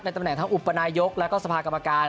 ตำแหน่งทั้งอุปนายกแล้วก็สภากรรมการ